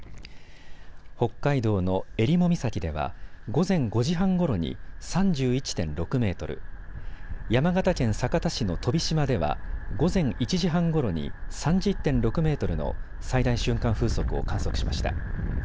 北海道のえりも岬では午前５時半ごろに３１．６メートル、山形県酒田市の飛島では午前１時半ごろに３０．６メートルの最大瞬間風速を観測しました。